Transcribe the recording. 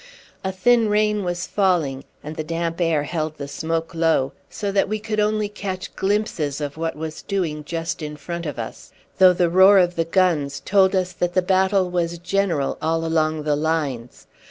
A thin rain was falling and the damp air held the smoke low, so that we could only catch glimpses of what was doing just in front of us, though the roar of the guns told us that the battle was general all along the lines.